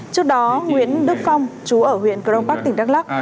trước đó nguyễn đức phong trú ở huyện cơ đông bắc tỉnh đắk lắc